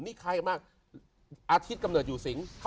นี่คล้ายกันมากอาทิตย์กำเนิดอยู่สิง